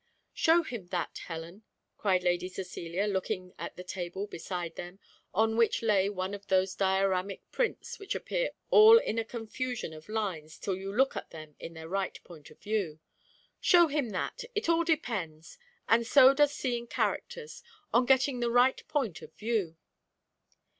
"Show him that, Helen," cried Lady Cecilia, looking at a table beside them, on which lay one of those dioramic prints which appear all a confusion of lines till you look at them in their right point of view. "Show him that it all depends, and so does seeing characters, on getting the right point of view."